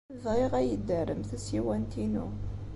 Bɣiɣ ad iyi-d-terrem tasiwant-inu.